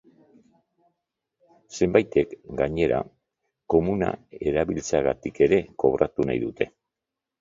Zenbaitek, gainera, komuna erabiltzeagatik ere kobratu nahi dute.